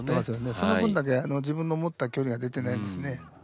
その分だけ自分の思った距離が出てないですね。